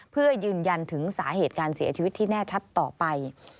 เพื่อยืนยันถึงสาเหตุการเสียชีวิตที่แน่ชัดต่อไป